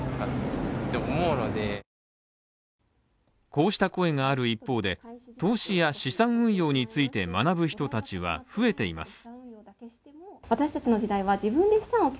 こうした声がある一方で、投資や資産運用について学ぶ人たちは増えています